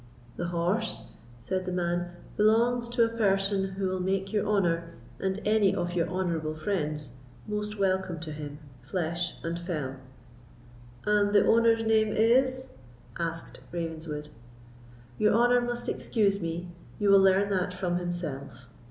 "The horse," said the man, "belongs to a person who will make your honour, or any of your honourable friends, most welcome to him, flesh and fell." "And the owner's name is——?" asked Ravenswood. "Your honour must excuse me, you will learn that from himself.